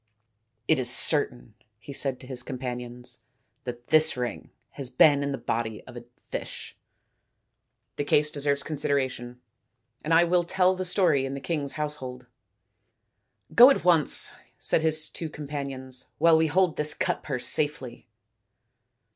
" It is certain," he said to his companions, " that this ring has been in the body of a fish. The case deserves consideration, and I will tell the story in the king's household." " Go at once," said his two companions, " while we hold this cut purse safely."